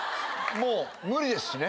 もう無理ですしね。